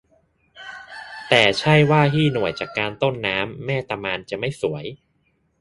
แต่ใช่ว่าที่หน่วยจัดการต้นน้ำแม่ตะมานจะไม่สวย